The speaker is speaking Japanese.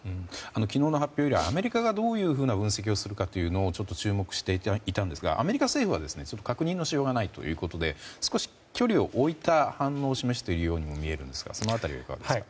昨日の発表ではアメリカがどういう分析をするか注目していたんですがアメリカ政府は確認のしようがないということで少し距離を置いた反応を示していますがその辺りはいかがですか？